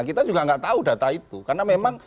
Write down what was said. kita juga nggak tahu data itu karena memang